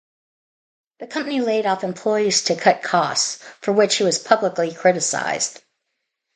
The company laid off employees to cut costs, for which he was publicly criticised.